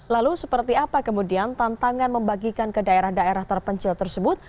lalu seperti apa kemudian tantangan membagikan ke daerah daerah terpencil tersebut